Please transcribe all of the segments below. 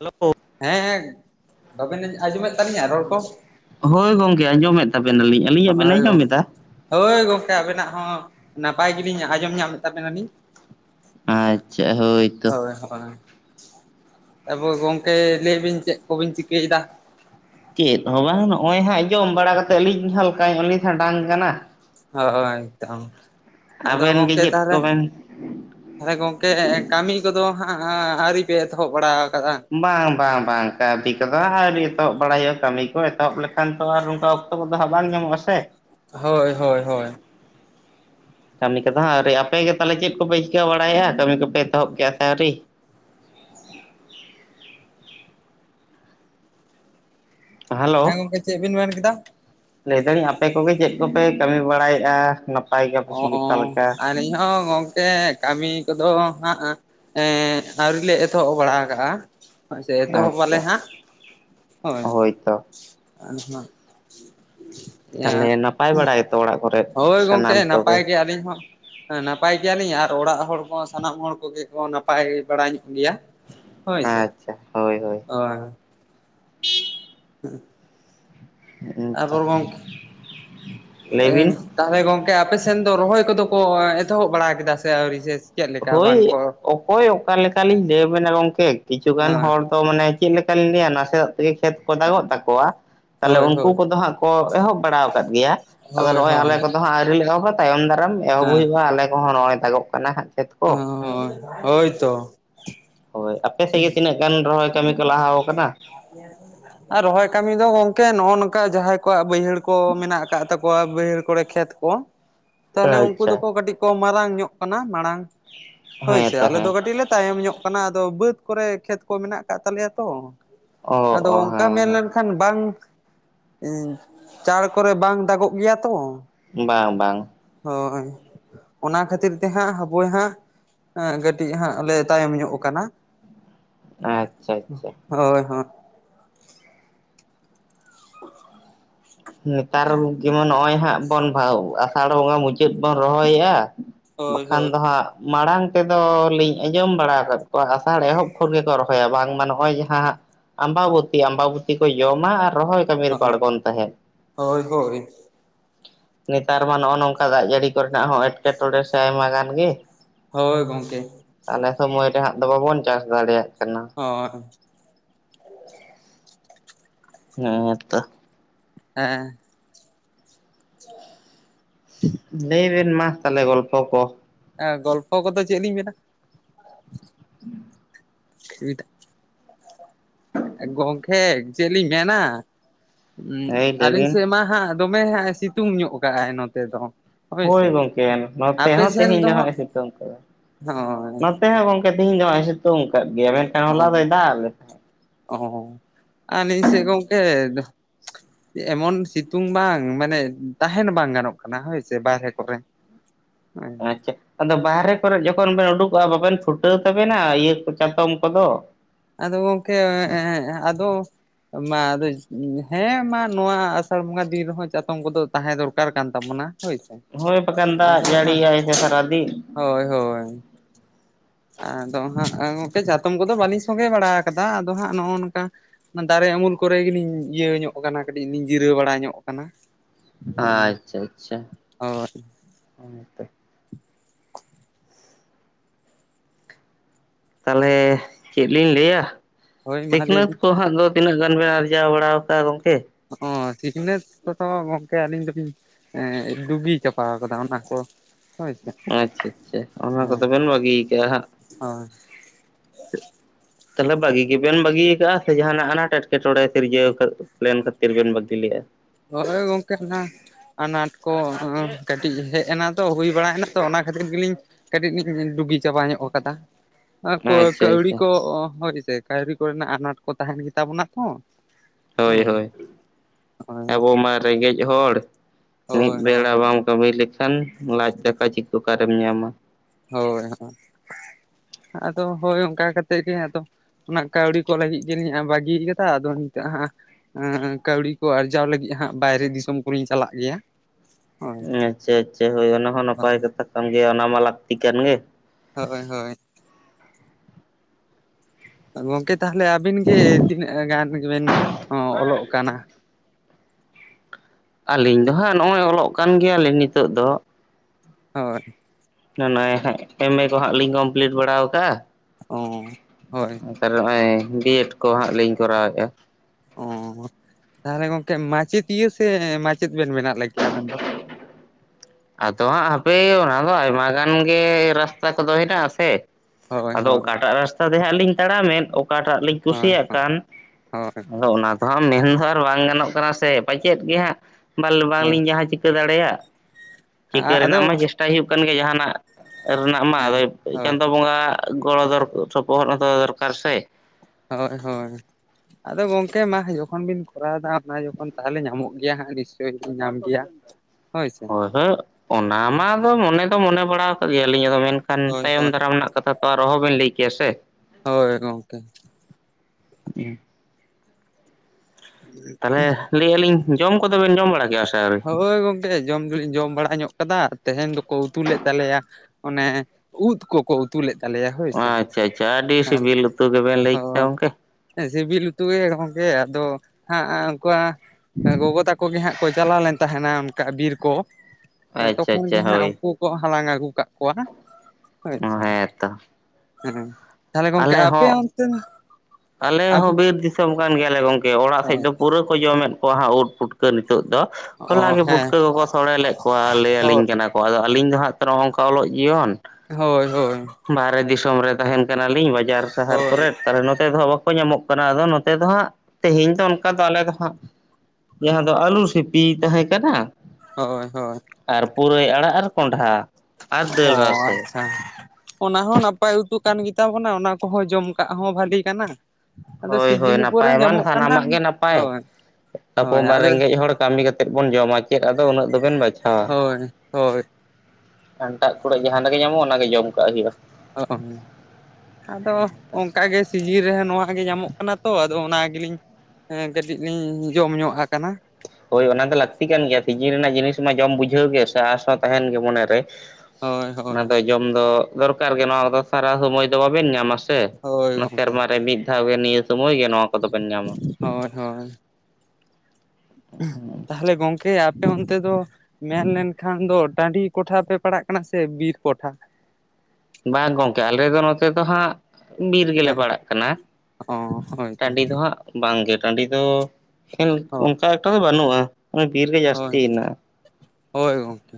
Hello. ᱦᱮᱸᱻ ᱵᱟᱹᱵᱤᱱ ᱟᱸᱡᱚᱢᱮᱫ ᱛᱟᱹᱞᱤᱧᱟ ᱨᱚᱲ ᱠᱚ? ᱦᱳᱭ ᱜᱚᱝᱠᱮ ᱟᱸᱡᱚᱢᱮᱫ ᱛᱟᱵᱮᱱᱟᱞᱤᱧ᱾ ᱟᱹᱞᱤᱧᱟᱜ ᱵᱮᱱ ᱟᱸᱡᱚᱢᱮᱫᱟ [unintelligible] ᱦᱳᱭ ᱜᱚᱝᱠᱮ ᱟᱵᱮᱱᱟᱜ ᱦᱚᱸ ᱱᱟᱯᱟᱭ ᱜᱮᱞᱤᱧ ᱟᱸᱡᱚᱢ ᱧᱟᱢᱮᱫ ᱛᱟᱵᱮᱱᱟᱞᱤᱧ᱾ ᱟᱪᱪᱷᱟ ᱦᱳᱭᱛᱚ ᱟᱹᱣᱲᱮ ᱦᱚᱸᱜᱼᱚᱭ ᱛᱟᱯᱚᱨ ᱜᱚᱝᱠᱮ ᱞᱟᱹᱭᱮᱫ ᱵᱤᱱ ᱪᱮᱫ ᱠᱚᱵᱤᱱ ᱪᱤᱠᱟᱹᱭᱫᱟ? ᱪᱮᱫ ᱦᱚᱸ ᱵᱟᱝ ᱱᱚᱜᱼᱚᱭ ᱦᱟᱸᱜ ᱡᱚᱢ ᱵᱟᱲᱟ ᱠᱟᱛᱮᱫ ᱟᱹᱞᱤᱧ ᱡᱟᱦᱟᱸ ᱦᱟᱞᱠᱟ ᱧᱳᱜ ᱞᱤᱧ ᱥᱟᱰᱟᱝ ᱠᱟᱱᱟ᱾ ᱦᱳᱭ ᱛᱚ ᱟᱫᱚ ᱟᱵᱮᱱ ᱜᱮ ᱜᱚᱝᱠᱮ ᱪᱮᱫ ᱛᱟᱦᱚᱞᱮ ᱠᱚᱵᱮᱱ ᱛᱟᱦᱞᱮ ᱜᱚᱝᱠᱮ ᱠᱟᱹᱢᱤ ᱠᱚᱫᱚ ᱦᱟᱸᱜ ᱟᱹᱣᱨᱤ ᱯᱮ ᱮᱛᱚᱦᱚᱵ ᱵᱟᱲᱟ ᱠᱟᱫᱟ ᱵᱟᱝ? ᱵᱟᱝ ᱵᱟᱝ ᱵᱟᱝ ᱠᱟᱹᱢᱤ ᱠᱚᱫᱚ ᱟᱣᱨᱤ ᱮᱛᱚᱦᱚᱵ ᱵᱟᱲᱟᱭ ᱦᱩᱭᱩᱜᱼᱟ ᱠᱟᱹᱢᱤ ᱠᱚ ᱮᱛᱚᱦᱚᱵ ᱞᱮᱠᱷᱟᱱ ᱛᱚ ᱟᱨ ᱱᱚᱝᱠᱟᱱ ᱚᱠᱛᱚ ᱠᱚᱫᱚ ᱦᱟᱸᱜ ᱵᱟᱝ ᱧᱟᱢᱚᱜ ᱟᱥᱮ? ᱦᱳᱭ ᱦᱳᱭ ᱦᱳᱭ᱾ ᱠᱟᱹᱢᱤ ᱠᱚᱫᱚ ᱦᱟᱸᱜ ᱟᱹᱣᱨᱤ ᱟᱯᱮᱜᱮ ᱛᱟᱦᱚᱞᱮ ᱪᱮᱫ ᱠᱚᱯᱮ ᱪᱤᱠᱟᱹ ᱵᱟᱲᱟᱭᱮᱫᱟ ᱠᱟᱹᱢᱤ ᱠᱚᱯᱮ ᱮᱛᱚᱦᱚᱵ ᱠᱮᱜᱼᱟ ᱥᱮ ᱟᱹᱣᱨᱤ? ᱦᱮᱸ ᱜᱚᱝᱠᱮ ᱪᱮᱫ ᱵᱤᱱ ᱢᱮᱱᱠᱮᱫᱟ? ᱞᱟᱹᱭᱫᱟᱞᱤᱧ ᱟᱯᱮ ᱠᱚᱜᱮ ᱪᱮᱫ ᱠᱚᱯᱮ ᱠᱟᱹᱢᱤ ᱵᱟᱲᱟᱭᱮᱜᱼᱟ? ᱱᱟᱯᱟᱭ ᱜᱮᱭᱟᱯ ᱥᱮ ᱪᱮᱫᱠᱟ ᱚ ᱞᱮᱠᱟ? ᱟᱹᱞᱤᱧ ᱦᱚᱸ ᱜᱚᱝᱠᱮ ᱠᱟᱹᱢᱤ ᱠᱚᱫᱚ ᱦᱟᱸᱜ ᱮᱸᱜ ᱟᱹᱣᱨᱤ ᱞᱮ ᱮᱛᱚᱦᱚᱵ ᱵᱟᱲᱟ ᱠᱟᱜᱼᱟ᱾ ᱦᱳᱭᱥᱮ ᱮᱛᱚᱦᱚᱵ ᱟᱞᱮ ᱟᱪᱪᱷᱟ ᱦᱟᱸᱜ ᱦᱳᱭ᱾ ᱦᱳᱭᱛᱚ ᱟᱫᱚ ᱱᱟᱸᱜ ᱛᱟᱦᱚᱞᱮ ᱱᱟᱯᱟᱭ ᱵᱟᱲᱟ ᱜᱮᱛᱚ ᱚᱲᱟᱜ ᱠᱚᱨᱮ? ᱦᱳᱭ ᱜᱚᱝᱠᱮ ᱥᱟᱱᱟᱢ ᱱᱟᱯᱟᱭ ᱠᱚᱜᱮ ᱜᱮ ᱟᱹᱞᱤᱧ ᱦᱚᱸ᱾ ᱦᱮᱸ ᱱᱟᱯᱟᱭ ᱜᱮᱭᱟᱞᱤᱧ ᱟᱨ ᱚᱲᱟᱜ ᱦᱚᱲ ᱠᱚ ᱥᱟᱱᱟᱢ ᱦᱚᱲ ᱠᱚᱜᱮ ᱠᱚ ᱱᱟᱯᱟᱭ ᱵᱟᱲᱟ ᱧᱚᱜ ᱜᱮᱭᱟ᱾ ᱦᱳᱭ ᱥᱮ ᱟᱪᱪᱷᱟ ᱦᱳᱭ ᱦᱳᱭ ᱚᱭ᱾ ᱦᱮᱸ᱾ ᱛᱚ ᱟᱵᱚᱨ ᱜᱚᱝᱠᱮ ᱞᱟᱹᱭ ᱵᱤᱱ [unintelligible] ᱛᱟᱦᱚᱞᱮ ᱜᱚᱝᱠᱮ ᱟᱯᱮᱥᱮᱱ ᱫᱚ ᱨᱚᱦᱚᱭ ᱠᱚᱫᱚ ᱠᱚ ᱮᱛᱚᱦᱚᱵ ᱵᱟᱲᱟ ᱠᱟᱫᱟ ᱥᱮ ᱟᱹᱣᱨᱤ ᱥᱮ? ᱪᱮᱫ ᱞᱮᱠᱟ ᱦᱳᱭ ᱵᱟᱝ ᱠᱚ ᱚᱠᱚᱭ ᱚᱠᱟ ᱞᱮᱠᱟᱞᱤᱧ ᱞᱟᱹᱭᱟᱵᱮᱱᱟ ᱜᱚᱝᱠᱮ ᱠᱤᱪᱷᱩᱜᱟᱱ ᱦᱮᱸ ᱦᱚᱲ ᱛᱚ ᱢᱟᱱᱮ ᱪᱮᱫ ᱞᱮᱠᱟ ᱞᱤᱧ ᱞᱟᱹᱭᱟ ᱱᱚᱣᱟᱥᱮᱫᱚᱜ ᱛᱮᱜᱮ ᱠᱷᱮᱛ ᱠᱚ ᱫᱟᱜᱚᱜ ᱛᱟᱠᱚᱣᱟ ᱛᱟᱦᱚᱞᱮ ᱦᱳᱭ ᱩᱱᱠᱩ ᱦᱳᱭ ᱠᱚᱫᱚ ᱦᱟᱸᱜ ᱠᱚ ᱮᱦᱚᱵ ᱵᱟᱲᱟ ᱟᱠᱟᱫ ᱜᱮᱭᱟ, ᱟᱫᱚ ᱦᱳᱭ ᱱᱚᱜᱼᱚᱭ ᱦᱳᱭ ᱟᱞᱮ ᱠᱚ ᱦᱟᱸᱜ ᱟᱹᱣᱨᱤ ᱞᱮ ᱮᱦᱚᱵᱟ ᱛᱟᱭᱚᱢ ᱫᱟᱨᱟᱢ ᱮᱦᱚᱵ ᱦᱮᱸ ᱦᱩᱭᱩᱜᱼᱟ ᱟᱞᱮ ᱠᱚᱦᱚᱸ ᱱᱚᱜᱼᱭ ᱫᱟᱜᱚᱜ ᱠᱟᱱᱟ ᱦᱟᱸᱜ ᱠᱷᱮᱛ ᱠᱚ᱾ ᱦᱳᱭ ᱦᱳᱭᱛᱚ ᱦᱳᱭ ᱟᱯᱮ ᱥᱮᱫ ᱜᱮ ᱛᱤᱱᱟᱹᱜ ᱜᱟᱱ ᱨᱚᱦᱚᱭ ᱠᱟᱹᱢᱤ ᱠᱚ ᱞᱟᱦᱟᱣ ᱠᱟᱱᱟ? ᱟᱨ ᱨᱚᱦᱚᱭ ᱠᱟᱹᱢᱤ ᱫᱚ ᱜᱚᱝᱠᱮ ᱱᱚᱜᱼᱚ ᱱᱚᱝᱠᱟ ᱡᱟᱦᱟᱸᱭ ᱠᱚᱣᱟᱜ ᱵᱟᱹᱭᱦᱟᱹᱲ ᱠᱚ ᱢᱮᱱᱟᱜ ᱠᱟᱫ ᱛᱟᱠᱚᱣᱟ ᱵᱟᱹᱭᱦᱟᱹᱲ ᱠᱚᱨᱮ ᱠᱷᱮᱛ ᱠᱚ, ᱛᱟᱦᱚᱞᱮ ᱩᱱᱠᱩ ᱟᱪᱪᱷᱟ ᱫᱚᱠᱚ ᱠᱟᱹᱴᱤᱡ ᱠᱚ ᱢᱟᱨᱟᱝ ᱧᱚᱜ ᱠᱟᱱᱟ, ᱢᱟᱲᱟᱝ ᱦᱮᱸ ᱦᱳᱭᱥᱮ ᱛᱚ ᱟᱞᱮ ᱫᱚ ᱦᱮᱸ ᱠᱟᱹᱴᱤᱡ ᱞᱮ ᱛᱟᱭᱚᱢ ᱧᱚᱜ ᱠᱟᱱᱟ ᱟᱫᱚ ᱵᱟᱹᱫ ᱠᱚᱨᱮ ᱠᱷᱮᱛ ᱠᱚ ᱢᱮᱱᱟᱜ ᱠᱟᱜ ᱛᱟᱞᱮᱭᱟ ᱛᱚ, ᱚ ᱟᱫᱚ ᱚ ᱚᱱᱠᱟ ᱦᱮᱸ ᱢᱮᱱ ᱦᱮᱸ ᱞᱮᱱ ᱠᱷᱟᱱ ᱵᱟᱝ ᱮᱸ ᱪᱟᱲ ᱠᱚᱨᱮ ᱵᱟᱝ ᱫᱟᱜᱚᱜ ᱜᱮᱭᱟ ᱛᱚ᱾ ᱵᱟᱝ ᱵᱟᱝ᱾ ᱦᱳᱭ ᱚᱱᱟ ᱠᱷᱟᱹᱛᱤᱨ ᱛᱮ ᱦᱟᱸᱜ ᱦᱟᱯᱳᱭ ᱦᱟᱸᱜ ᱦᱮᱸ ᱠᱟᱹᱴᱤᱡ ᱦᱟᱸᱜ ᱞᱮ ᱛᱟᱭᱚᱢ ᱧᱚᱜ ᱠᱟᱱᱟ᱾ ᱟᱪᱪᱷᱟ ᱟᱪᱪᱷᱟ ᱦᱳᱭ ᱦᱳᱭ [inaudible] ᱱᱮᱛᱟᱨ ᱡᱮᱢᱚᱱ ᱱᱚᱜᱼᱚᱭ ᱦᱟᱸᱜ ᱵᱷᱟᱹᱣ ᱟᱥᱟᱲ ᱵᱚᱸᱜᱟ ᱢᱩᱪᱟᱹᱫ ᱵᱚᱱ ᱨᱚᱦᱚᱭᱮᱫᱼᱟ᱾ ᱦᱳᱭ ᱵᱟᱠᱷᱟᱱ ᱦᱳᱭ ᱫᱚ ᱦᱟᱸᱜ ᱢᱟᱲᱟᱝ ᱛᱮᱫᱚ ᱞᱤᱧ ᱟᱸᱡᱚᱢ ᱵᱟᱲᱟ ᱟᱠᱟᱫ ᱠᱚᱣᱟ ᱟᱥᱟᱲ ᱮᱦᱚᱵ ᱠᱷᱚᱱ ᱜᱮᱠᱚ ᱨᱚᱦᱚᱭᱟ ᱵᱟᱝᱢᱟ ᱱᱚᱜᱼᱚᱭ ᱡᱟᱦᱟᱸ ᱦᱟᱸᱜ᱾ ᱟᱢᱵᱟᱵᱚᱛᱤ ᱟᱢᱵᱟᱵᱚᱛᱤ ᱠᱚ ᱡᱚᱢᱟ ᱟᱨ ᱨᱚᱦᱚᱭ ᱠᱟᱹᱢᱤ ᱨᱮᱠᱚ ᱟᱬᱜᱚᱱ ᱛᱟᱦᱮᱸᱫ᱾ ᱦᱳᱭ ᱦᱳᱭ ᱱᱮᱛᱟᱨ ᱢᱟ ᱱᱚᱜᱼᱚᱭ ᱱᱚᱝᱠᱟ ᱫᱟᱜ ᱡᱟᱹᱲᱤ ᱠᱚᱨᱮᱱᱟᱜ ᱦᱚᱸ ᱮᱴᱠᱮᱴᱚᱬᱮ ᱥᱮ ᱟᱭᱢᱟ ᱜᱟᱱ ᱜᱮ᱾ ᱦᱳᱭ ᱜᱚᱝᱠᱮ ᱛᱟᱞᱮ ᱥᱚᱢᱚᱭ ᱨᱮᱦᱟᱸᱜ ᱫᱚ ᱵᱟᱵᱚᱱ ᱪᱟᱥ ᱫᱟᱲᱮᱭᱟᱜ ᱠᱟᱱᱟ᱾ ᱦᱚᱸ ᱦᱮᱸ ᱛᱚ ᱦᱮᱸ ᱞᱟᱹᱭᱵᱤᱱ ᱢᱟ ᱛᱟᱦᱞᱮ ᱜᱚᱞᱯᱷᱚ ᱠᱚ᱾ ᱮᱸ ᱜᱚᱞᱯᱷᱚ ᱠᱚᱫᱚ ᱪᱮᱫ ᱞᱤᱧ ᱢᱮᱱᱟ᱾ ᱦᱮᱸ [unintelligible] ᱜᱚᱝᱠᱮ ᱪᱮᱫ ᱞᱤᱧ ᱢᱮᱱᱟ, ᱞᱟᱹᱭ ᱟᱹᱞᱤᱧ ᱞᱮᱵᱤᱱ ᱥᱮᱫ ᱢᱟ ᱦᱟᱸᱜ᱾ ᱫᱚᱢᱮ ᱦᱟᱸᱜ ᱥᱤᱛᱩᱝ ᱧᱚᱜ ᱠᱟᱜᱼ ᱟᱭ ᱱᱚᱛᱮ ᱫᱚ᱾ ᱦᱳᱭ ᱜᱚᱝᱠᱮ ᱱᱚᱛᱮ ᱟᱯᱮ ᱦᱚᱸ ᱥᱮᱱ ᱛᱮᱦᱮᱧ ᱫᱚ ᱦᱟᱸᱜ ᱮ ᱥᱤᱛᱩᱝ ᱠᱟᱫᱟ, ᱦᱟᱸᱜ ᱱᱚᱛ [unintelligible] ᱦᱮᱸ ᱜᱚᱢᱠᱮ ᱛᱮᱦᱮᱧ ᱱᱚᱜᱼᱭ ᱥᱤᱛᱩᱝ ᱟᱠᱟᱫ ᱜᱮᱭᱟ᱾ ᱢᱮᱱ ᱚ ᱚ ᱟᱞᱤᱧ ᱥᱮᱫ ᱜᱚᱝᱠᱮ ᱫᱚᱦ ᱮᱢᱚᱱ ᱥᱤᱛᱩᱝ ᱵᱟᱝ ᱢᱟᱱᱮ ᱛᱟᱦᱮᱱ ᱵᱟᱝ ᱜᱟᱱᱚᱜ ᱠᱟᱱᱟ ᱦᱳᱭᱥᱮ ᱵᱟᱨᱦᱨᱮ ᱠᱚᱨᱮ᱾ ᱦᱮᱸ ᱟᱪᱪᱷᱟ ᱟᱫᱚ ᱵᱟᱦᱨᱮ ᱠᱚᱨᱮ ᱡᱚᱠᱷᱚᱱ ᱵᱮᱱ ᱩᱰᱩᱠᱚᱜᱼᱟ ᱵᱟᱵᱮᱱ ᱯᱷᱩᱴᱟᱹᱣ ᱛᱟᱵᱮᱱᱟ ᱤᱭᱟᱹ ᱠᱚ ᱪᱟᱛᱚᱢ ᱠᱚᱫᱚ᱾ ᱟᱫᱚ ᱜᱚᱝᱠᱮ ᱟᱫᱚ ᱢᱟ ᱟᱫᱚ ᱦᱮᱸ ᱢᱟ ᱱᱚᱣᱟ ᱟᱥᱟᱲ ᱵᱚᱸᱜᱟ ᱫᱤᱱ ᱨᱮᱦᱚᱸ ᱪᱟᱛᱚᱢ ᱠᱚᱫᱚ ᱛᱟᱦᱮᱸ ᱫᱚᱨᱠᱟᱨ ᱠᱟᱱ ᱛᱟᱵᱚᱱᱟ᱾ ᱦᱳᱭ ᱥᱮ ᱦᱳᱭ ᱯᱟᱠᱷᱟᱱ ᱫᱟᱜ ᱟᱫᱚ ᱦᱟᱸᱜ ᱡᱟᱹᱲᱤᱭᱟᱭ ᱥᱮ ᱥᱟᱨᱟ ᱫᱤᱱ᱾ ᱦᱳᱭ ᱦᱳᱭ ᱟᱫᱚ ᱦᱟᱸᱜ ᱜᱚᱝᱠᱮ ᱪᱟᱛᱚᱢ ᱠᱚᱫᱚ ᱵᱟᱹᱞᱤᱧ ᱥᱚᱸᱜᱮ ᱵᱟᱲᱟ ᱠᱟᱫᱟ ᱟᱫᱚ ᱦᱟᱸᱜ ᱱᱚᱜᱼᱚ ᱱᱚᱝᱠᱟ ᱚᱱᱟ ᱫᱟᱨᱮ ᱩᱢᱩᱞ ᱠᱚᱨᱮ ᱜᱮᱞᱤᱧ ᱤᱭᱟᱹ ᱧᱚᱜ ᱠᱟᱱᱟ, ᱠᱟᱹᱴᱤᱡ ᱞᱤᱧ ᱡᱤᱨᱟᱹᱣ ᱵᱟᱲᱟ ᱧᱚᱜ ᱠᱟᱱᱟ᱾ ᱦᱳᱭ ᱟᱪᱪᱷᱟ ᱟᱪᱪᱷᱟ ᱦᱚ ᱛᱚ ᱛᱟᱦᱚᱞᱮ ᱪᱮᱫ ᱞᱤᱧ ᱞᱟᱹᱭᱟ, ᱦᱳᱭ ᱢᱟ ᱞᱟᱹᱭ ᱥᱤᱠᱷᱱᱟᱹᱛ ᱵᱤᱱ ᱠᱚ ᱦᱟᱸᱜ ᱫᱚ ᱛᱤᱱᱟᱹᱜ ᱜᱟᱱ ᱵᱮᱱ ᱟᱨᱡᱟᱣ ᱵᱟᱲᱟ ᱟᱠᱟᱜᱼᱟ ᱜᱚᱝᱠᱮ᱾ ᱚ ᱥᱤᱠᱷᱱᱟᱹᱛ ᱠᱚᱛᱚ ᱜᱚᱝᱠᱮ ᱟᱹᱞᱤᱧ ᱫᱚ ᱞᱤᱧ ᱰᱩᱜᱤ ᱪᱟᱯᱟᱣ ᱠᱟᱫᱟ ᱚᱱᱟ ᱠᱚ ᱦᱳᱭ ᱥᱮ ᱟᱪᱪᱷᱟ ᱟᱪᱪᱷᱟ ᱚᱱᱟ ᱦᱮᱸ ᱠᱚᱫᱚ ᱵᱮᱱ ᱵᱟᱹᱜᱤᱭ ᱠᱟᱜᱼᱟ ᱦᱟᱸᱜ᱾ [unintelligible] ᱛᱟᱦᱚᱞᱮ ᱵᱟᱹᱜᱤ ᱜᱮᱵᱮᱱ ᱵᱟᱹᱜᱤᱭᱟ ᱠᱟᱜᱼᱟ ᱥᱮ ᱡᱟᱦᱟᱱᱟᱜ ᱟᱱᱟᱴ ᱮᱴᱠᱮᱴᱚᱬᱮ ᱥᱤᱨᱡᱟᱹᱣ ᱞᱮᱱ ᱠᱷᱟᱹᱛᱤᱨ ᱵᱮᱱ ᱵᱟᱹᱜᱤ ᱞᱮᱼᱟ? ᱦᱳᱭ ᱜᱚᱝᱠᱮ ᱚᱱᱟ ᱟᱱᱟᱴ ᱠᱚ ᱠᱟᱹᱴᱤᱡ ᱦᱮᱡ ᱮᱱᱟ ᱛᱚ ᱦᱩᱭᱩᱜ ᱦᱩᱭ ᱵᱟᱲᱟᱭᱱᱟ ᱛᱚ ᱚᱱᱟ ᱠᱷᱟᱹᱛᱤᱨ ᱜᱮᱞᱤᱧ ᱠᱟᱹᱴᱤᱡ ᱞᱤᱧ ᱰᱩᱜᱤ ᱪᱟᱵᱟ ᱧᱚᱜ ᱠᱟᱫᱟ᱾ ᱟᱪᱪᱷᱟ ᱠᱟᱹᱣᱰᱤ ᱟᱪᱪᱷᱟ ᱠᱚ ᱦᱳᱭᱥᱮ ᱠᱟᱹᱣᱰᱤ ᱠᱚᱨᱮᱱᱟᱜ ᱟᱱᱟᱴ ᱠᱚ ᱛᱟᱦᱮᱱ ᱜᱮᱛᱟ ᱵᱚᱱᱟ ᱛᱚ᱾ ᱦᱳᱭ ᱦᱩᱸ ᱦᱳᱭ ᱦᱳᱭ ᱟᱵᱚ ᱢᱟ ᱨᱮᱸᱜᱮᱡ ᱦᱚᱲ᱾ ᱢᱤᱫ ᱦᱳᱭ ᱦᱳᱭ ᱵᱮᱲᱟ ᱵᱟᱢ ᱠᱟᱹᱢᱤ ᱞᱮᱠᱷᱟᱱ ᱞᱟᱡ ᱫᱟᱠᱟ ᱪᱤᱠ ᱚᱠᱟᱨᱮᱢ ᱧᱟᱢᱟ᱾ ᱦᱳᱭ ᱦᱳᱭ ᱟᱫᱚ ᱦᱳᱭ ᱚᱱᱠᱟ ᱠᱟᱛᱮᱫ ᱜᱮ ᱟᱫᱚ ᱚᱱᱟ ᱠᱟᱹᱣᱰᱤ ᱠᱚ ᱞᱟᱹᱜᱤᱫ ᱜᱮᱞᱤᱧ ᱵᱟᱹᱜᱤᱭ ᱠᱟᱫᱟ ᱟᱫᱚ ᱱᱤᱛᱚᱜ ᱦᱟᱸᱜ ᱟᱸ ᱠᱟᱹᱣᱰᱤ ᱠᱚ ᱟᱨᱡᱟᱣ ᱞᱟᱹᱜᱤᱫ ᱦᱟᱸᱜ ᱵᱟᱭᱨᱮ ᱫᱤᱥᱚᱢ ᱠᱚᱨᱮᱧ ᱪᱟᱞᱟᱜ ᱜᱮᱭᱟ᱾ ᱦᱳᱭ ᱟᱪᱪᱷᱟ ᱟᱪᱪᱷᱟ, ᱦᱳᱭ ᱚᱱᱟ ᱦᱚᱸ ᱱᱟᱯᱟᱭ ᱠᱟᱛᱷᱟ ᱠᱟᱱ ᱜᱮᱭᱟ ᱚᱱᱟ ᱢᱟ ᱞᱟᱹᱠᱛᱤ ᱠᱟᱱ ᱜᱮ᱾ ᱦᱳᱭ ᱦᱳᱭ᱾ ᱜᱚᱝᱠᱮ ᱛᱟᱦᱚᱞᱮ ᱟᱵᱤᱱ ᱜᱮ ᱛᱤᱱᱟᱹᱜ ᱜᱟᱱ ᱜᱮᱵᱤᱱ ᱚᱞᱚᱜ ᱠᱟᱱᱟ? ᱟᱹᱞᱤᱧ ᱫᱚ ᱦᱟᱸᱜ ᱱᱚᱜᱼᱚᱭ ᱚᱞᱚᱜ ᱠᱟᱱ ᱜᱮᱭᱟᱞᱤᱧ ᱱᱤᱛᱚᱜ ᱫᱚ᱾ ᱦᱳᱭ᱾ ᱱᱚᱜᱼᱚᱭ ᱮᱢ ᱮ ᱠᱚ ᱦᱟᱸᱜ ᱞᱤᱧ ᱠᱚᱢᱯᱤᱞᱤᱴ ᱵᱟᱲᱟ ᱠᱟᱫᱼᱟ᱾ ᱚ ᱦᱳᱭ᱾ ᱟᱨ ᱱᱚᱜᱼᱚᱭ ᱵᱤ ᱮᱰ ᱠᱚ ᱦᱟᱸᱜ ᱞᱤᱧ ᱠᱚᱨᱟᱣᱮᱫᱼᱟ᱾ ᱚ ᱛᱟᱦᱚᱞᱮ ᱜᱚᱝᱠᱮ ᱢᱟᱪᱮᱫᱤᱭᱟᱹ ᱥᱮ ᱢᱟᱪᱮᱫ ᱵᱮᱱ ᱵᱮ ᱞᱟᱹᱜᱤᱫᱼᱟ ᱟᱵᱮᱱ ᱫᱚ? ᱟᱫᱚ ᱦᱟᱸᱜ ᱦᱟᱯᱮ ᱚᱱᱟ ᱫᱚ ᱟᱭᱢᱟ ᱜᱟᱱ ᱜᱮ ᱨᱟᱥᱛᱟ ᱠᱚᱫᱚ ᱦᱮᱱᱟᱜ ᱥᱮ ᱦᱳᱭ ᱟᱫᱚ ᱦᱳᱭ ᱚᱠᱟᱴᱟᱜ ᱨᱟᱥᱛᱟ ᱛᱮ ᱦᱟᱸᱜ ᱞᱤᱧ ᱛᱟᱲᱟᱢᱮᱫ, ᱚᱠᱟᱴᱟᱜ ᱞᱤᱧ ᱦᱳᱭ ᱠᱩᱥᱤᱭᱟᱜ ᱠᱟᱱ ᱦᱳᱭ ᱦᱳᱭ ᱟᱫᱚ ᱚᱱᱟ ᱚᱱᱟᱦᱚ ᱢᱮᱱᱫᱚ ᱟᱨ ᱵᱟᱝ ᱜᱟᱱᱚᱜ ᱠᱟᱱᱟ ᱥᱮ ᱯᱟᱪᱮᱫ ᱜᱮ ᱦᱟᱸᱜ ᱵᱟ ᱦᱳᱭ ᱵᱟᱝᱞᱤᱧ ᱡᱟᱦᱟᱸ ᱪᱤᱠᱟᱹ ᱫᱟᱲᱮᱭᱟᱜ᱾ ᱪᱤᱠᱟᱹ ᱟᱫᱚ ᱨᱮᱱᱟᱜ ᱢᱟ ᱪᱮᱥᱴᱟᱭ ᱦᱩᱭᱩᱜ ᱠᱟᱱ ᱜᱮᱭᱟ ᱡᱟᱦᱟᱸᱱᱟᱜ ᱨᱮᱱᱟᱜ ᱢᱟ ᱦᱮᱸ ᱟᱫᱚ ᱦᱳᱭ ᱪᱟᱸᱫᱚ ᱵᱚᱸᱜᱟ ᱜᱚᱲ ᱫᱚᱨ ᱥᱚᱯᱚ ᱦᱚᱸᱛᱚ ᱫᱚᱨᱠᱟᱨ ᱥᱮ᱾ ᱦᱳᱭ ᱦᱳᱭ᱾ ᱟᱫᱚ ᱜᱚᱝᱠᱮ ᱢᱟ ᱡᱚᱠᱷᱚᱱ ᱵᱤᱱ ᱠᱚᱨᱟᱣ ᱮᱫᱟ ᱚᱱᱟ ᱡᱚᱠᱷᱚᱱ ᱛᱟᱦᱚᱞᱮ ᱧᱟᱢᱚᱜ ᱜᱮᱭᱟ ᱦᱟᱸᱜ ᱱᱤᱥᱪᱳᱚᱭ ᱵᱤᱱ ᱧᱟᱢ ᱜᱮᱭᱟ᱾ ᱦᱳᱭ ᱦᱳᱭ ᱚᱱᱟ ᱢᱟ ᱫᱚ ᱢᱚᱱᱮ ᱫᱚ ᱢᱚᱱᱮ ᱵᱟᱲᱟ ᱟᱠᱟᱫ ᱜᱮᱭᱟᱞᱤᱧ ᱟᱫᱚ ᱢᱮᱱ ᱠᱷᱟᱱ ᱦᱳᱭ ᱛᱟᱭᱚᱢ ᱦᱳᱭ ᱫᱟᱨᱟᱢ ᱨᱮᱱᱟᱜ ᱠᱟᱛᱷᱟ ᱛᱚ ᱟᱨᱦᱚᱸ ᱵᱮᱱ ᱞᱟᱹᱭ ᱠᱮᱭᱟ ᱥᱮ᱾ ᱦᱳᱭ ᱜᱚᱢᱠᱮ᱾ ᱩᱸ᱾ ᱛᱟᱦᱚᱞᱮ ᱞᱟᱹᱭ ᱟᱞᱤᱧ ᱡᱚᱢ ᱠᱚᱫᱚ ᱵᱤᱱ ᱡᱚᱢ ᱵᱟᱲᱟ ᱠᱮᱜᱼᱟ ᱥᱮ ᱟᱹᱣᱨᱤ ᱦᱳᱭ ᱜᱚᱢᱠᱮ ᱡᱚᱢ ᱫᱚᱞᱤᱧ ᱡᱚᱢ ᱵᱟᱲᱟ ᱧᱚᱜ ᱠᱟᱫᱟ, ᱛᱮᱦᱮᱧ ᱫᱚᱠᱚ ᱩᱛᱩ ᱞᱮᱫ ᱛᱟᱞᱮᱭᱟ ᱚᱱᱮ ᱩᱫᱽ ᱠᱚᱠᱚ ᱩᱛᱩ ᱞᱮᱫ ᱛᱟᱞᱮᱭᱟ ᱦᱳᱭ ᱥᱮ, ᱟᱪᱪᱷᱟ ᱟᱪᱪᱷᱟ ᱟᱹᱰᱤ ᱟᱫᱚ ᱥᱤᱵᱤᱞ ᱩᱛᱩ ᱜᱮᱵᱮᱱ ᱞᱟᱹᱭ ᱦᱚ ᱠᱮᱫᱟ ᱜᱚᱝᱠᱮ ᱥᱤᱵᱤᱞ ᱩᱛᱩ ᱜᱮ ᱜᱚᱢᱠᱮ ᱟᱫᱚ ᱦᱟᱸᱜ ᱩᱱᱠᱟ ᱜᱚᱜᱚ ᱛᱟᱠᱚ ᱜᱮ ᱦᱟᱸᱜ ᱠᱚ ᱪᱟᱞᱟᱣ ᱞᱮᱱ ᱛᱟᱦᱮᱸᱱᱟ ᱚᱱᱠᱟ ᱵᱤᱨ ᱠᱚ, ᱟᱪᱪᱷᱟ ᱛᱚᱠᱷᱚᱱ ᱟᱪᱪᱷᱟ ᱜᱮ ᱦᱟᱸᱜ ᱦᱳᱭ ᱩᱱᱠᱩ ᱠᱚ ᱦᱟᱞᱟᱝ ᱟᱹᱜᱩ ᱠᱟᱜ ᱠᱚᱣᱟ ᱦᱚᱭ ᱪᱮ ᱦᱮᱸᱛᱚ ᱦᱮᱸ᱾ ᱛᱟᱦᱚᱞᱮ ᱜᱚᱝᱠᱮ ᱟᱞᱮ ᱟᱯᱮ ᱦᱚᱸ ᱚᱱᱛᱮᱱ ᱟᱞᱮ ᱦᱚᱸ ᱵᱤᱨ ᱫᱤᱥᱚᱢ ᱠᱟᱱ ᱜᱮᱭᱟ ᱞᱮ ᱜᱚᱢᱠᱮ, ᱚᱲᱟᱜ ᱦᱳᱭ ᱥᱮᱡ ᱫᱚ ᱯᱩᱨᱟᱹ ᱠᱚ ᱡᱚᱢᱮᱫ ᱠᱚᱣᱟ ᱦᱟᱸᱜ ᱩᱫᱽ, ᱯᱩᱴᱠᱟᱹ ᱱᱤᱛᱚᱜ ᱫᱚ ᱦᱚᱞᱟᱜ ᱚ ᱜᱮ ᱦᱮᱸ ᱯᱩᱴᱠᱟᱹ ᱠᱚᱠᱚ ᱥᱚᱲᱮ ᱞᱮᱫ ᱠᱚᱣᱟ ᱞᱟᱹᱭ ᱟᱹᱞᱤᱧ ᱦᱳᱭ ᱠᱟᱱᱟ ᱠᱚ, ᱟᱫᱚ ᱟᱹᱞᱤᱧ ᱫᱚ ᱦᱸᱟᱜ ᱛᱚ ᱱᱚᱜ ᱱᱚᱝᱠᱟ ᱚᱞᱚᱜ ᱡᱤᱭᱚᱱ ᱦᱳᱭ ᱦᱳᱭ᱾ ᱵᱟᱨᱦᱮ ᱫᱤᱥᱚᱢ ᱨᱮ ᱛᱟᱸᱦᱮᱱ ᱠᱟᱱᱟ ᱞᱤᱧ ᱵᱟᱡᱟᱨ ᱥᱟᱦᱟᱨ ᱦᱳᱭ ᱠᱚᱨᱮᱫ, ᱛᱟᱦᱚᱞᱮ ᱱᱚᱛᱮ ᱫᱚᱦᱟᱸᱜ ᱵᱟᱠᱚ ᱧᱟᱢᱚᱜ ᱠᱟᱱᱟ, ᱟᱫᱚ ᱱᱚᱛᱮ ᱫᱚ ᱦᱟᱸᱜ ᱛᱮᱦᱤᱧ ᱫᱚ ᱚᱱᱠᱟ ᱫᱚ ᱟᱞᱮ ᱫᱚ ᱦᱟᱸᱜ ᱡᱟᱦᱟᱸ ᱫᱚ ᱟᱹᱞᱩ ᱥᱤᱯᱤ ᱛᱟᱦᱮᱸ ᱠᱟᱱᱟ ᱦᱳᱭ ᱦᱳᱭ᱾ ᱟᱨ ᱯᱩᱨᱟᱹᱭ ᱟᱲᱟᱜ ᱟᱨ ᱠᱚᱸᱰᱷᱟ ᱟᱨ ᱚ ᱫᱟᱹᱞ ᱨᱟᱥᱮ᱾ ᱟᱪᱪᱷᱟ ᱚᱱᱟ ᱦᱚᱸ ᱱᱟᱯᱟᱭ ᱩᱛᱩ ᱠᱟᱱ ᱜᱮ ᱛᱟᱵᱚᱱᱟ ᱚᱱᱟ ᱠᱚᱦᱚᱸ ᱡᱚᱢ ᱠᱟᱜ ᱦᱚᱸ ᱵᱷᱟᱞᱤ ᱠᱟᱱᱟ᱾ ᱟᱫᱚ ᱦᱳᱭ ᱦᱳᱭ ᱥᱤᱡᱤᱱ ᱱᱟᱯᱟᱭ ᱩᱯᱚᱨᱮ ᱢᱟ ᱱᱟᱜ ᱧᱟᱢᱚᱜ ᱠᱟᱱᱟ ᱥᱟᱱᱟᱢᱟᱜ ᱜᱮ ᱱᱟᱯᱟᱭ᱾ ᱦᱳᱭ ᱦᱳᱭ ᱛᱟᱯᱚᱨ ᱢᱟ ᱟᱫᱚ ᱨᱮᱸᱜᱮᱡ ᱦᱚᱲ ᱠᱟᱹᱢᱤ ᱠᱟᱛᱮᱫ ᱵᱚᱱ ᱡᱚᱢᱟ, ᱪᱮᱫ ᱟᱫᱚ ᱩᱱᱟᱹᱜ ᱫᱚᱵᱮᱱ ᱵᱟᱪᱷᱟᱣᱟ᱾ ᱦᱳᱭ ᱦᱳᱭ᱾ ᱟᱱᱴᱟᱜ ᱠᱩᱲᱟᱹᱜ ᱡᱟᱦᱟᱸ ᱱᱟᱜ ᱜᱮ ᱧᱟᱢᱚᱜ ᱚᱱᱟᱜᱮ ᱡᱚᱢ ᱠᱟᱜ ᱦᱩᱭᱩᱜᱼᱟ᱾ ᱦᱚᱸᱻ ᱟᱫᱚ ᱚᱱᱠᱟ ᱜᱮ ᱥᱤᱡᱤᱱ ᱨᱮᱦᱚᱸ ᱱᱚᱣᱟ ᱜᱮ ᱧᱟᱢᱚᱜ ᱠᱟᱱᱟ ᱛᱚ, ᱟᱫᱚ ᱚᱱᱟ ᱜᱮᱞᱤᱧ ᱠᱟᱹᱴᱤᱡ ᱞᱤᱧ ᱡᱚᱢ ᱧᱚᱜ ᱟᱠᱟᱱᱟ᱾ ᱦᱳᱭ, ᱚᱱᱟ ᱫᱚ ᱞᱟᱹᱠᱛᱤ ᱠᱟᱱ ᱜᱮᱭᱟ᱾ ᱛᱤᱡᱤ ᱨᱮᱱᱟᱜ ᱡᱤᱱᱤᱥ ᱢᱟ ᱡᱚᱢ ᱵᱩᱡᱷᱟᱹᱣ ᱜᱮ ᱥᱮ ᱟᱸᱥᱟ ᱦᱚᱸ ᱛᱟᱦᱮᱸᱱ ᱜᱮ ᱢᱚᱱᱮ ᱨᱮ᱾ ᱦᱳᱭ ᱦᱳᱭ ᱚᱱᱟ ᱫᱚ ᱡᱚᱢ ᱫᱚ ᱫᱚᱨᱠᱟᱨ ᱜᱮ, ᱱᱚᱣᱟ ᱠᱚᱫᱚ ᱥᱟᱨᱟ ᱥᱚᱢᱚᱭ ᱫᱚ ᱵᱟᱵᱮᱱ ᱧᱟᱢᱟ᱾ ᱥᱮ ᱦᱳᱭ ᱱᱚᱣᱟ ᱜᱚᱝᱠᱮ ᱥᱮᱨᱢᱟ ᱨᱮ ᱢᱤᱫ ᱫᱷᱟᱣ ᱜᱮ, ᱱᱤᱭᱟᱹ ᱥᱚᱢᱚᱭ ᱜᱮ, ᱱᱚᱣᱟ ᱠᱚᱫᱚ ᱵᱚᱱ ᱧᱟᱢᱟ᱾ ᱦᱳᱭ ᱦᱳᱭ, ᱛᱟᱦᱚᱞᱮ ᱜᱚᱢᱠᱮ ᱠᱮ ᱟᱯᱮ ᱚᱱᱛᱮ ᱫᱚ ᱢᱮᱱ ᱞᱮᱱᱠᱷᱟᱱ ᱫᱚ ᱴᱟᱺᱰᱤ ᱠᱚᱴᱷᱟ ᱯᱮ ᱯᱟᱲᱟᱜ ᱠᱟᱱᱟ ᱥᱮ ᱵᱤᱨ ᱠᱚᱴᱷᱟ? ᱵᱟᱝ ᱜᱚᱝᱠᱮ ᱟᱞᱮ ᱫᱚ ᱱᱚᱛᱮ ᱫᱚ ᱦᱟᱸᱜ ᱵᱤᱨ ᱜᱮᱞᱮ ᱦᱮᱸ ᱯᱟᱲᱟᱜ ᱠᱟᱱᱟ, ᱚ ᱦᱳᱭ ᱛᱚ ᱴᱟᱺᱰᱤ ᱫᱚ ᱦᱟᱸᱜ ᱵᱟᱝ ᱜᱮ ᱴᱟᱺᱰᱤ ᱫᱚ ᱦᱳᱭ ᱚᱱᱠᱟ ᱮᱠᱴᱟ ᱫᱚ ᱵᱟᱹᱱᱩᱜᱼᱟ᱾ ᱱᱚᱜ ᱵᱤᱨ ᱜᱮ ᱦᱳᱭ ᱡᱟᱹᱥᱛᱤ ᱮᱱᱟ᱾ ᱦᱳᱭ ᱜᱚᱝᱠᱮ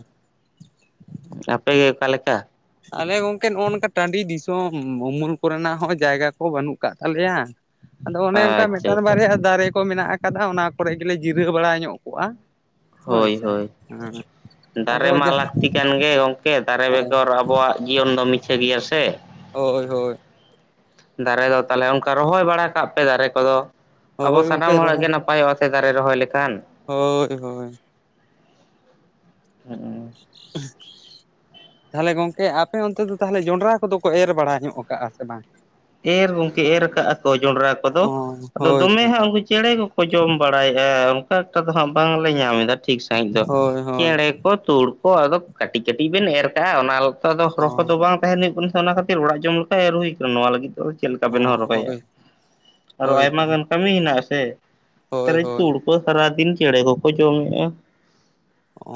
ᱟᱯᱮ ᱜᱮ ᱚᱠᱟ ᱞᱮᱠᱟ? ᱟᱞᱮ ᱜᱚᱝᱠᱮ ᱱᱚᱜᱼᱚᱭ ᱱᱚᱝᱠᱟ ᱴᱟᱺᱰᱤ ᱫᱤᱥᱚᱢ, ᱩᱢᱩᱞ ᱠᱚ ᱨᱮᱱᱟᱜ ᱦᱚᱸ ᱡᱟᱭᱜᱟ ᱠᱚ ᱵᱟᱹᱱᱩᱜ ᱠᱟᱜ ᱛᱟᱞᱮᱭᱟ᱾ ᱟᱫᱚ ᱚᱱᱮ ᱚᱱᱠᱟ ᱟᱪᱪᱷᱟ ᱢᱤᱫᱴᱟᱱ ᱟᱪᱪᱷᱟ ᱵᱟᱨᱭᱟ ᱫᱟᱨᱮ ᱠᱚ ᱢᱮᱱᱟᱜ ᱟᱠᱟᱫᱟ᱾ ᱚᱱᱟ ᱠᱚᱨᱮ ᱜᱮᱞᱮ ᱡᱤᱨᱟᱹᱣ ᱵᱟᱲᱟ ᱧᱚᱜ ᱠᱚᱜᱼᱟ᱾ ᱦᱳᱭ ᱥᱮ ᱦᱳᱭ, ᱦᱮᱸ ᱟᱫᱚ ᱫᱟᱨᱮ ᱢᱟ ᱡᱟᱦᱟᱸ ᱞᱟᱹᱠᱛᱤ ᱠᱟᱱ ᱜᱮ ᱜᱚᱝᱠᱮ᱾ ᱫᱟᱨᱮ ᱵᱮᱜᱚᱨ ᱟᱵᱚᱣᱟᱜ ᱡᱤᱭᱚᱱ ᱫᱚ ᱢᱤᱪᱷᱟᱹ ᱜᱮᱭᱟ ᱥᱮ᱾ ᱦᱳᱭ, ᱦᱳᱭ᱾ ᱫᱟᱨᱮ ᱫᱚ ᱛᱟᱦᱚᱞᱮ ᱚᱱᱠᱟ ᱨᱚᱦᱚᱭ ᱵᱟᱲᱟ ᱠᱟᱜ ᱯᱮ, ᱫᱟᱨᱮ ᱠᱚᱫᱚ ᱟᱵᱚ ᱦᱳᱭ ᱥᱟᱱᱟᱢ ᱜᱚᱝᱠᱮ ᱦᱚᱲᱟᱜ ᱜᱮ ᱨᱚᱦᱚᱭ ᱱᱟᱯᱟᱭ ᱱᱟᱯᱟᱭ ᱚᱜᱼᱟ ᱥᱮ ᱫᱟᱨᱮ ᱨᱚᱦᱚᱭ ᱞᱮᱠᱷᱟᱱ ᱦᱳᱭ, ᱦᱳᱭ᱾ ᱦᱩᱸ᱾ [inaudible] ᱛᱟᱦᱚᱞᱮ ᱜᱚᱝᱠᱮ ᱟᱯᱮ ᱚᱱᱛᱮ ᱫᱚ ᱛᱟᱦᱚᱞᱮ ᱡᱚᱱᱰᱨᱟ ᱠᱚᱫᱚ ᱠᱚ ᱮᱨ ᱵᱟᱲᱟ ᱧᱚᱜ ᱠᱟᱜᱼᱟ ᱥᱮ ᱵᱟᱝ? ᱮᱨ ᱜᱚᱝᱠᱮ ᱮᱨ ᱠᱟᱜᱼᱟ ᱠᱚ ᱡᱚᱸᱰᱨᱟ ᱚ ᱠᱚᱫᱚ, ᱟᱫᱚ ᱦᱳᱭ ᱫᱚᱢᱮ ᱛᱚ ᱦᱟᱸᱜ ᱩᱱᱠᱩ ᱪᱮᱬᱮ ᱠᱚ ᱠᱚ ᱡᱚᱢ ᱵᱟᱲᱟᱭᱮᱫᱼᱟ᱾ ᱚᱱᱠᱟ ᱮᱠᱴᱟ ᱫᱚ ᱦᱟᱸᱜ ᱵᱟᱝ ᱞᱮ ᱧᱟᱢ ᱮᱫᱟ ᱴᱷᱤᱠ ᱥᱟᱺᱦᱤᱡ ᱫᱚ᱾ ᱦᱳᱭ ᱦᱳᱭ ᱪᱮᱸᱬᱮ ᱠᱚ ᱠᱚ, ᱛᱩᱲ ᱠᱚ, ᱟᱫᱚ ᱠᱟᱹᱴᱤᱡ ᱠᱟᱹᱴᱤᱡ ᱵᱮᱱ ᱮᱨ ᱠᱟᱜᱼᱟ᱾ ᱚᱱᱟ ᱫᱚ ᱚ ᱦᱚᱨᱚᱦᱚ ᱫᱚ ᱵᱟᱝ ᱛᱟᱦᱮᱱ ᱦᱩᱭᱩᱜ ᱠᱟᱱᱟ ᱥᱮ ᱚᱱᱟ ᱠᱷᱟᱹᱛᱤᱨ ᱚᱲᱟᱜ ᱡᱚᱢ ᱞᱮᱠᱟ ᱮᱨ ᱦᱩᱭ ᱟᱠᱟᱱᱟ᱾ ᱱᱚᱣᱟ ᱞᱟᱹᱜᱤᱫ ᱛᱚ ᱪᱮᱫ ᱞᱮᱠᱟ ᱚ ᱵᱮᱱ ᱦᱚᱨᱚ ᱠᱟᱭᱟ᱾ ᱦᱳᱭ ᱟᱨᱚ ᱦᱳᱭ ᱛᱚ ᱟᱭᱢᱟ ᱜᱟᱱ ᱠᱟᱹᱢᱤ ᱦᱮᱱᱟᱜ ᱟᱥᱮ ᱦᱳᱭ ᱟᱠᱟᱨᱮ ᱦᱳᱭ ᱛᱩᱲ ᱠᱚ ᱥᱟᱨᱟ ᱫᱤᱱ ᱪᱮᱸᱬᱮ ᱠᱚᱠᱚ ᱡᱚᱢ ᱮᱫᱟ᱾ ᱚ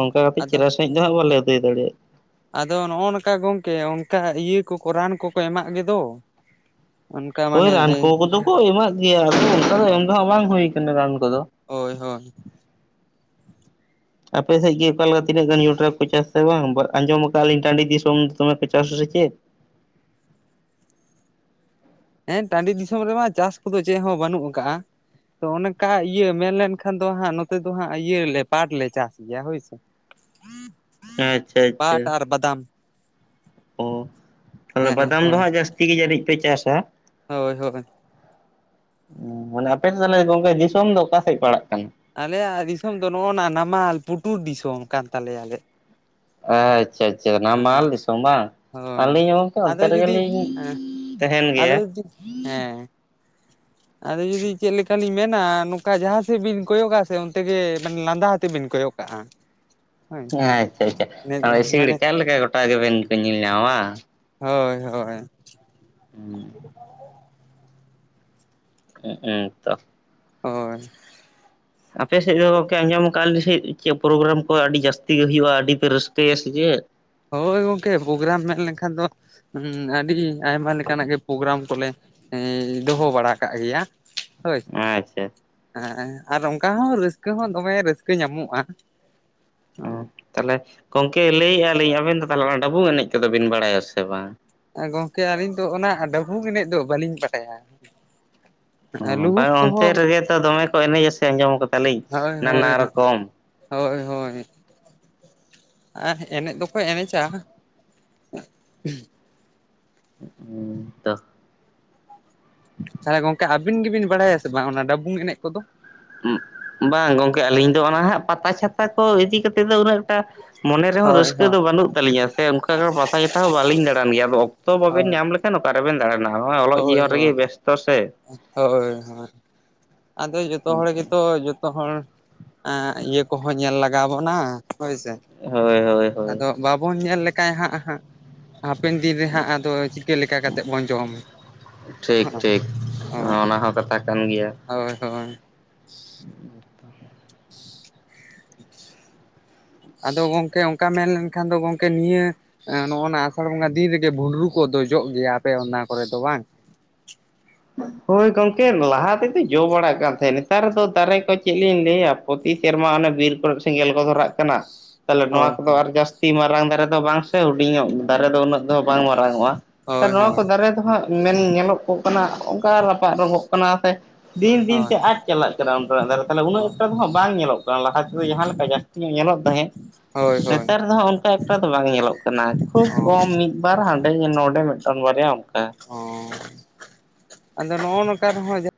ᱚᱱᱠᱟ ᱠᱟᱛᱮ ᱟᱫᱚ ᱪᱮᱦᱨᱟ ᱥᱟᱺᱦᱤᱡ ᱫᱚ ᱦᱟᱸᱜ ᱵᱟᱞᱮ ᱟᱹᱫᱟᱹᱭ ᱫᱟᱲᱮᱭᱟᱜᱼᱟ᱾ ᱟᱫᱚ ᱱᱚᱜᱼᱚᱭ ᱱᱚᱝᱠᱟ ᱜᱚᱝᱠᱮ ᱚᱱᱠᱟ ᱤᱭᱟᱹ ᱠᱚᱠᱚ ᱨᱟᱱ ᱠᱚᱠᱚ ᱮᱢᱟᱜ ᱜᱮ ᱫᱚ᱾ ᱳᱭ ᱨᱟᱱ ᱠᱚ ᱠᱚᱫᱚ ᱠᱚ ᱮᱢᱟᱜ ᱜᱮᱭᱟ᱾ ᱟᱫᱚ ᱚᱱᱠᱟ ᱫᱚ ᱮᱢ ᱫᱚ ᱦᱟᱸᱜ ᱵᱟᱝ ᱦᱩᱭ ᱠᱟᱱᱟ ᱨᱟᱱ ᱠᱚᱫᱚ᱾ ᱦᱳᱭ ᱦᱳᱭ᱾ ᱟᱯᱮ ᱥᱮᱫ ᱜᱮ ᱚᱠᱟ ᱞᱮᱠᱟ ᱛᱤᱱᱟᱹᱜ ᱜᱟᱱ ᱡᱚᱱᱰᱨᱟ ᱠᱚ ᱪᱟᱥᱟ ᱟᱥᱮ ᱵᱟᱝ? ᱟᱸᱡᱚᱢ ᱟᱠᱟᱫᱼᱟ ᱟᱹᱞᱤᱧ ᱴᱟᱺᱰᱤ ᱫᱤᱥᱚᱢ ᱫᱚᱢᱮ ᱠᱚ ᱪᱟᱥ ᱟᱥᱮ ᱪᱮᱫ? ᱦᱮᱸ ᱴᱟᱺᱰᱤ ᱫᱤᱥᱚᱢ ᱨᱮᱢᱟ ᱪᱟᱥ ᱠᱚᱫᱚ ᱪᱮᱫ ᱦᱚᱸ ᱵᱟᱹᱱᱩᱜ ᱟᱠᱟᱜᱼᱟ? ᱛᱚ ᱚᱠᱟ ᱤᱭᱟᱹ ᱢᱮᱱᱞᱱᱠᱷᱟᱱ ᱫᱚ ᱦᱟᱸᱜ ᱱᱚᱛᱮ ᱫᱚ ᱦᱟᱸᱜ ᱤᱭᱟᱹᱞᱮ ᱯᱟᱴ ᱞᱮ ᱪᱟᱥ ᱜᱮᱭᱟ ᱦᱳᱭᱥᱮ᱾ [inaudible] ᱟᱪᱪᱷᱟ ᱟᱪᱪᱷᱟ᱾ ᱯᱟᱴ ᱵᱟᱫᱟᱢ, ᱚ ᱛᱟᱦᱚᱞᱮ ᱦᱮᱸ ᱵᱟᱫᱟᱢ ᱫᱚ ᱦᱳᱭ ᱦᱟᱸᱜ ᱡᱟᱹᱥᱛᱤ ᱜᱮ ᱡᱟᱹᱱᱤᱡ ᱯᱮ ᱪᱟᱥᱟ? ᱦᱳᱭ ᱦᱳᱭ᱾ ᱢᱟᱱᱮ ᱟᱯᱮᱥᱮᱫ ᱛᱟᱦᱞᱮ ᱜᱚᱝᱠᱮ ᱫᱤᱥᱚᱢ ᱫᱚ ᱚᱠᱟ ᱥᱮᱫ ᱯᱟᱲᱟᱜ ᱠᱟᱱᱟ? ᱟᱞᱮᱭᱟᱜ ᱫᱤᱥᱚᱢ ᱫᱚ ᱱᱚᱜᱼᱚᱭ ᱱᱟ ᱱᱟᱢᱟᱞ ᱯᱩᱴᱩᱨ ᱫᱤᱥᱚᱢ ᱠᱟᱱ ᱛᱟᱞᱮᱭᱟ ᱟᱞᱮᱭᱟᱜ ᱟᱪᱪᱷᱟ ᱟᱪᱪᱷᱟ, ᱱᱟᱢᱟᱞ ᱫᱤᱥᱚᱢ ᱵᱟᱝ? ᱦᱳᱭ ᱟᱹᱞᱤᱧ ᱦᱚᱸ ᱜᱚᱝᱠᱮ ᱟᱫᱚ ᱚᱱᱛᱮ ᱡᱩᱫᱤ ᱨᱮᱜᱮᱞᱤᱧ ᱛᱟᱦᱮᱱ ᱟᱫᱚ ᱜᱮᱭᱟ᱾ ᱡᱩᱫᱤ ᱦᱮᱸ ᱟᱫᱚ ᱡᱩᱫᱤ ᱪᱮᱫ ᱞᱮᱠᱟᱞᱤᱧ ᱢᱮᱱᱟ ᱱᱚᱝᱠᱟ ᱡᱟᱦᱟᱸ ᱥᱮᱫ ᱵᱤᱱ ᱠᱚᱭᱚᱜᱼᱟ ᱥᱮ ᱚᱱᱛᱮ ᱜᱮ ᱢᱟᱱᱮ ᱞᱟᱸᱫᱟ ᱟᱛᱮ ᱵᱤᱱ ᱠᱚᱭᱚᱜ ᱠᱟᱜᱼᱟ᱾ [inaudible] ᱦᱮᱸ ᱟᱪᱪᱷᱟ ᱟᱪᱪᱷᱟ ᱤᱥᱤᱲ ᱢᱟᱱᱮ ᱠᱟᱜ ᱞᱮᱠᱟ ᱜᱚᱴᱟ ᱜᱮᱵᱮᱱ ᱠᱚ ᱧᱮᱞ ᱧᱟᱢᱣᱟ᱾ ᱦᱳᱭ ᱦᱳᱭ ᱦᱚᱸ [inaudible] [unintelligible] ᱛᱚ ᱦᱳᱭ ᱟᱯᱮ ᱥᱮᱫ ᱫᱚ ᱜᱚᱢᱠᱮ ᱟᱸᱡᱚᱢ ᱠᱟᱜᱼᱟᱞᱤᱧ ᱥᱮᱫ ᱪᱮᱫ ᱯᱨᱳᱜᱨᱟᱢ ᱠᱚ ᱟᱹᱰᱤ ᱡᱟᱹᱥᱛᱤ ᱜᱮ ᱦᱩᱭᱩᱜᱼᱟ ᱟᱹᱰᱤ ᱯᱮ ᱨᱟᱹᱥᱠᱟᱹ ᱭᱟ ᱥᱮ ᱪᱮᱫ? ᱦᱳᱭ ᱜᱚᱢᱠᱮ ᱯᱨᱳᱜᱨᱟᱢ ᱢᱮᱱ ᱞᱮᱱᱠᱷᱟᱱ ᱫᱚ ᱦᱩ ᱟᱹᱰᱤ ᱟᱭᱢᱟ ᱞᱮᱠᱟᱱᱟᱜ ᱜᱮ ᱯᱨᱳᱜᱨᱟᱢ ᱠᱚᱞᱮ ᱮ ᱫᱚᱦᱚ ᱵᱟᱲᱟ ᱠᱟᱜ ᱜᱮᱭᱟ ᱦᱳᱭ, ᱟᱪᱪᱷᱟ ᱦᱮᱸ ᱟᱨ ᱚᱱᱠᱟ ᱦᱚᱸ ᱨᱟᱹᱥᱠᱟᱹ ᱦᱚᱸ ᱫᱚᱢᱮ ᱨᱟᱹᱥᱠᱟᱹ ᱧᱟᱢᱚᱜᱼᱟ᱾ ᱚᱸ ᱛᱟᱦᱚᱞᱮ ᱜᱚᱝᱠᱮ ᱞᱟᱹᱭᱮᱜᱼᱟ ᱞᱤᱧ ᱟᱵᱮᱱ ᱫᱚ ᱛᱟᱦᱚᱞᱮ ᱚᱱᱟ ᱰᱟᱹᱵᱩᱝ ᱮᱱᱮᱡ ᱠᱚᱫᱚ ᱵᱤᱱ ᱵᱟᱲᱟᱭᱟ ᱥᱮ ᱵᱟᱝ? ᱜᱚᱢᱠᱮ ᱟᱹᱞᱤᱧ ᱫᱚ ᱚᱱᱟ ᱰᱟᱹᱵᱩᱝ ᱮᱱᱮᱡ ᱫᱚ ᱵᱟᱹᱞᱤᱧ ᱵᱟᱰᱟᱭᱟ᱾ ᱟᱨ ᱚ ᱞᱩᱦᱩᱠ ᱵᱟᱝ ᱚᱱᱛᱮ ᱠᱚᱦᱚᱸ [unintelligible] ᱫᱚᱢᱮ ᱠᱚ ᱮᱱᱮᱡ ᱥᱮ ᱟᱸᱡᱚᱢ ᱠᱟᱫᱟᱞᱤᱧ ᱦᱳᱭ ᱦᱳᱭ ᱱᱟᱱᱟ ᱨᱚᱠᱚᱢ ᱦᱳᱭ ᱦᱳᱭ ᱟᱨ ᱮᱱᱮᱡ ᱫᱚᱠᱚ ᱮᱱᱮᱡᱟ, ᱦᱮᱸ ᱛᱚ [inaudible] ᱛᱟᱦᱚᱞᱮ ᱜᱚᱝᱠᱮ ᱟᱹᱵᱤᱱ ᱜᱮᱵᱤᱱ ᱵᱟᱲᱟᱭᱟ ᱥᱮ ᱵᱟᱝ ᱚᱱᱟ ᱰᱟᱵᱩᱝ ᱮᱱᱮᱡ ᱠᱚᱫᱚ? ᱚᱸᱜ ᱵᱟᱝ ᱜᱚᱝᱠᱮ ᱟᱹᱞᱤᱧ ᱫᱚ ᱚᱱᱟ ᱦᱟᱸᱜ ᱯᱟᱛᱟ ᱪᱷᱟᱛᱟ ᱠᱚ ᱤᱫᱤ ᱠᱟᱛᱮᱫ ᱫᱚ ᱩᱱᱟᱹᱜ ᱴᱟᱦ ᱢᱚᱱᱮ ᱨᱮᱦᱚᱸ ᱦᱳᱭ ᱨᱟᱹᱥᱠᱟᱹ ᱦᱳᱭ ᱫᱚ ᱵᱟᱹᱱᱩᱜ ᱛᱟᱞᱤᱧᱟ ᱥᱮ ᱚᱱᱠᱟ ᱠᱟ ᱯᱟᱛᱟ ᱪᱷᱟᱛᱟ ᱦᱚᱸ ᱵᱟᱹᱞᱤᱧ ᱫᱟᱬᱟᱱ ᱟᱫᱚ ᱜᱮᱭᱟᱫᱚ ᱚᱠᱛᱚ ᱵᱟᱵᱮᱱ ᱦᱳᱭ ᱧᱟᱢ ᱞᱮᱠᱷᱟᱱ ᱚᱠᱟ ᱨᱮᱵᱮᱱ ᱫᱟᱲᱟᱱᱟ ᱱᱚᱜᱼᱚᱭ ᱚᱞᱚᱜ ᱦᱳᱭ ᱡᱤᱭᱚᱱ ᱦᱳᱭ ᱨᱮᱜᱮ ᱵᱮᱥᱛᱚ ᱥᱮ᱾ ᱦᱳᱭ ᱦᱳᱭ ᱟᱫᱚ ᱡᱚᱛᱚ ᱦᱚᱲ ᱜᱮᱛᱚ ᱡᱚᱛᱚ ᱦᱚᱲ ᱮᱸ ᱤᱭᱟᱹ ᱠᱚᱦᱚᱸ ᱧᱮᱞ ᱞᱟᱜᱟᱣ ᱵᱚᱱᱟ ᱦᱳᱭ ᱥᱮ ᱦᱳᱭ ᱦᱳᱭ ᱦᱳᱭ ᱟᱫᱚ ᱵᱟᱵᱚᱱ ᱧᱮᱞ ᱞᱮᱠᱟᱭ ᱦᱟᱸᱜ ᱦᱟᱸᱜ ᱦᱟᱯᱮᱱ ᱫᱤᱱ ᱨᱮ ᱦᱟᱸᱜ ᱟᱫᱚ ᱪᱤᱠᱟᱹ ᱞᱮᱠᱟ ᱠᱟᱛᱮᱫ ᱵᱚᱱ ᱡᱚᱢ᱾ ᱴᱷᱤᱠ ᱴᱷᱤᱠ ᱚᱱᱟ ᱦᱚᱸ ᱠᱟᱛᱷᱟ ᱠᱟᱱ ᱜᱮᱭᱟ᱾ ᱦᱳᱭ ᱦᱳᱭ [inaudible] ᱟᱫᱚ ᱜᱚᱝᱠᱮ ᱚᱱᱠᱟ ᱢᱮᱱ ᱞᱮᱱᱠᱷᱟᱱ ᱫᱚ ᱜᱚᱝᱠᱮ ᱱᱤᱭᱟᱹ ᱮᱸ ᱱᱚᱜ-ᱚ ᱱᱟ ᱟᱥᱟᱲ ᱵᱚᱸᱜᱟ ᱫᱤᱱ ᱨᱮᱜᱮ ᱵᱷᱩᱸᱰᱨᱩ ᱠᱚᱫᱚ ᱡᱚᱜ ᱜᱮᱭᱟ ᱟᱯᱮ ᱚᱱᱟ ᱠᱚᱨᱮ ᱫᱚ ᱵᱟᱝ? ᱦᱳᱭ ᱜᱚᱢᱠᱮ ᱞᱟᱦᱟ ᱛᱮᱫᱚ ᱡᱚ ᱵᱟᱲᱟᱜ ᱠᱟᱱ ᱛᱟᱦᱮᱸᱫ ᱱᱮᱛᱟᱨ ᱫᱚ ᱫᱟᱨᱮ ᱠᱚ ᱪᱮᱫ ᱞᱤᱧ ᱞᱟᱹᱭᱟ᱾ ᱯᱨᱚᱛᱤ ᱥᱮᱨᱢᱟ ᱚᱱᱮ ᱵᱤᱨ ᱠᱚᱨᱮ ᱥᱮᱸᱜᱮᱞ ᱠᱚ ᱫᱷᱚᱨᱟᱜ ᱠᱟᱱᱟ ᱛᱟᱦᱚᱞᱮ ᱦᱳᱭ ᱱᱚᱣᱟ ᱠᱚᱫᱚ ᱦᱳᱭ ᱟᱨ ᱡᱟᱹᱥ ᱛᱤ ᱢᱟᱨᱟᱝ ᱫᱟᱨᱮ ᱫᱚ ᱵᱟᱝ ᱥᱮ ᱦᱩᱰᱤᱧᱚᱜ ᱫᱟᱨᱮ ᱫᱚ ᱩᱱᱟᱹᱜ ᱫᱚ ᱵᱟᱝ ᱢᱟᱨᱟᱝᱚᱜ-ᱟ᱾ ᱱᱮᱛᱟᱨ ᱦᱳᱭ ᱱᱚᱣᱟ ᱠᱚ ᱦᱳᱭ ᱫᱟᱨᱮ ᱫᱚ ᱦᱟᱸᱜ ᱢᱮᱱ ᱧᱮᱞᱚᱜ ᱜᱚᱜ ᱠᱟᱱᱟ ᱚᱱᱠᱟ ᱨᱟᱯᱟᱜ ᱨᱚᱸᱜᱚᱜ ᱠᱟᱱᱟ ᱥᱮ ᱫᱤᱱ ᱫᱤᱱ ᱛᱮ ᱟᱫ ᱪᱟᱞᱟᱜ ᱠᱟᱱᱟ ᱚᱱᱠᱟᱱᱟᱜ ᱫᱟᱨᱮ ᱛᱟᱦᱚᱞᱮ ᱩᱱᱟᱹᱜ ᱦᱳᱭ ᱮᱠᱴᱟ ᱫᱚ ᱦᱟᱸᱜ ᱵᱟᱝ ᱧᱮᱞᱚᱜ ᱠᱟᱱᱟ ᱞᱟᱦᱟ ᱛᱮᱫᱚ ᱡᱟᱦᱟᱸ ᱞᱮᱠᱟ ᱡᱟᱹᱥ ᱧᱮᱞᱚᱜ ᱛᱟᱦᱮᱸᱫ ᱦᱳᱭ ᱦᱳᱭ ᱦᱳᱭ ᱱᱮᱛᱟᱨ ᱫᱚ ᱦᱟᱸᱜ ᱚᱱᱠᱟ ᱮᱠᱴᱟ ᱫᱚ ᱵᱟᱝ ᱧᱮᱞᱚᱜ ᱠᱟᱱᱟ ᱠᱷᱩᱵᱽ ᱚ ᱠᱚᱢ ᱢᱤᱫ ᱵᱟᱨ ᱦᱟᱸᱰᱮ ᱱᱚᱰᱮ ᱢᱤᱫᱴᱟᱝ ᱵᱟᱨᱭᱟ ᱚᱱᱠᱟ ᱚᱻ ᱟᱫᱚ ᱱᱚᱜ-ᱚ ᱱᱚᱝᱠᱟ ᱨᱮᱦᱚᱸ ᱡᱟ